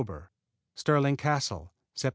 Stirling Castle Sept.